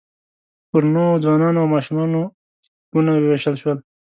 پر نوو ځوانانو او ماشومانو کتابونه ووېشل شول.